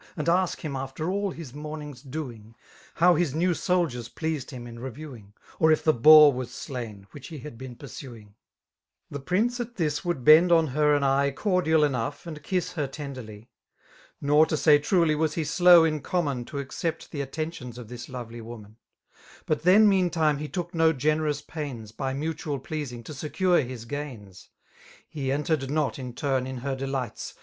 And ask him after all his monuug's doing. How his new soldiers pleased him in reviewing^ Or if the boar was alain> which he had been pursuing* The prince, at this, would bend on her an eye Cordial enpugh» and kiss her tenderly; Nor^ to say truly> was he skiw in common To accept the attentions of this lovely woman; But then meantime he took no generous pains^ By mutiial pleasing* to secure his gains; He entered not, in turn, in her delights.